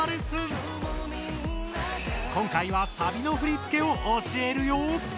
今回はサビの振付を教えるよ！